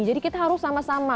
jadi kita harus sama sama